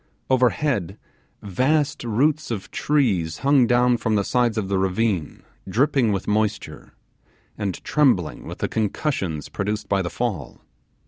Overhead, vast roots of trees hung down from the sides of the ravine dripping with moisture, and trembling with the concussions produced by the fall.